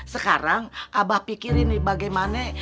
sekarang abah pikirin nih bagaimana